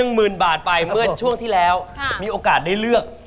๑หมื่นบาทไปเมื่อออกกาศได้เลือก